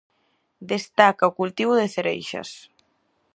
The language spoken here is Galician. Destaca o cultivo de cereixas.